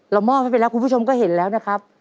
มอบให้ไปแล้วคุณผู้ชมก็เห็นแล้วนะครับ